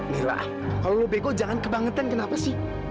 mila kalau lu bego jangan kebangetan kenapa sih